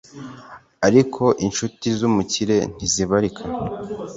ariko incuti z’umukire ntizibarika